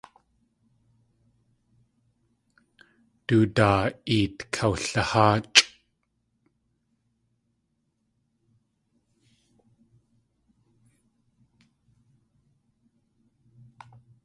Du daa eet kaliháachʼ.